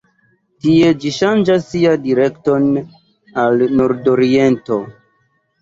Tie ĝi ŝanĝas sian direkton al nordoriento.